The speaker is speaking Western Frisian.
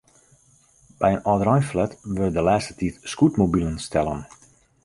By in âldereinflat wurde de lêste tiid scootmobilen stellen.